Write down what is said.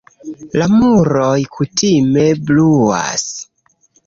La muroj kutime bruas.